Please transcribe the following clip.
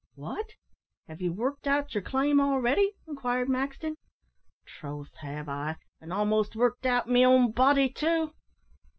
"What! have you worked out your claim already!" inquired Maxton. "Troth have I, and almost worked out me own body too."